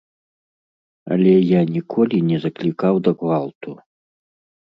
Але я ніколі не заклікаў да гвалту.